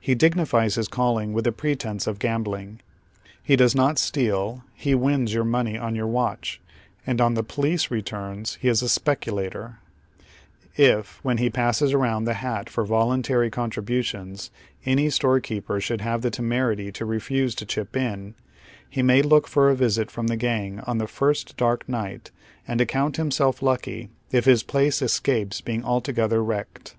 He dignifies bis calling with tlie pre tence of gambling. He does not steal : he " wins " your money or your watch, and on the police returns he is a " voluntary " eon tribnt ions, any storekeeper shonld have the temerity to refuse to chip in, he may look for a visit from the gang on the first dark night, and account himself lucky if his place escapes being altogether wrecked.